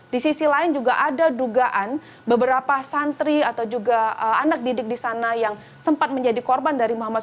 di sisi lain juga ada dugaan beberapa santri atau juga anak didik di sana yang sempat menjadi korban dari muhammad